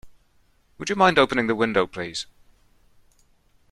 Would you mind opening the window, please?